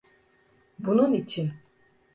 Bunun için!